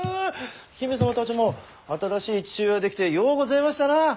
姫様たちも新しい父上が出来てようごぜましたな！